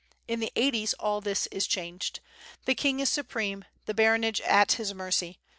In the eighties all this is changed; the king is supreme, the baronage at his mercy.